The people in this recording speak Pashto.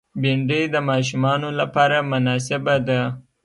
بېنډۍ د ماشومانو لپاره مناسبه ده